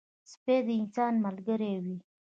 سپي د انسان ملګری وي.